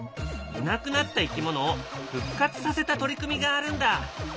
いなくなった生き物を復活させた取り組みがあるんだ。